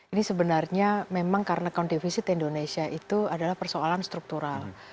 ini sebenarnya memang karena account defisit indonesia itu adalah persoalan struktural